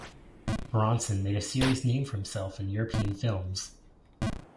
Bronson made a serious name for himself in European films.